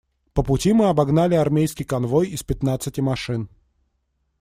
По пути мы обогнали армейский конвой из пятнадцати машин.